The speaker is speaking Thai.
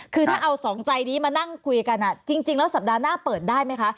คือถ้าเอาสองใจนี้มานั่งคุยกันจริงแล้วสัปดาห์หน้าเปิดได้ไหมคะ